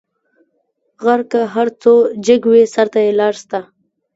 غر که هر څو جګ وي؛ سر ته یې لار سته.